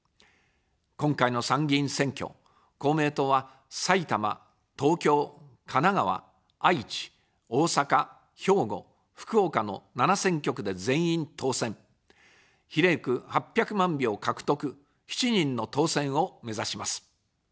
今回の参議院選挙、公明党は、埼玉・東京・神奈川・愛知・大阪・兵庫・福岡の７選挙区で全員当選、比例区８００万票獲得、７人の当選をめざします。